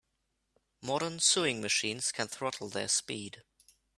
Modern sewing machines can throttle their speed.